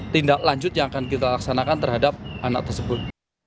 tindak lanjut yang akan kita laksanakan terhadap anak tersebut